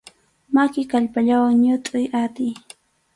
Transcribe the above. Maki kallpallawan ñutʼuy atiy.